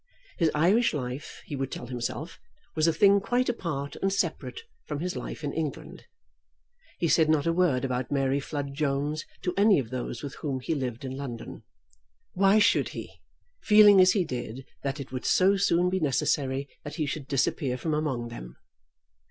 His Irish life, he would tell himself, was a thing quite apart and separate from his life in England. He said not a word about Mary Flood Jones to any of those with whom he lived in London. Why should he, feeling as he did that it would so soon be necessary that he should disappear from among them?